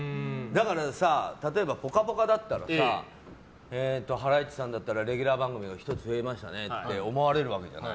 例えば「ぽかぽか」だったらさハライチさんだったらレギュラー番組が１つ増えましたねって思われるわけじゃない。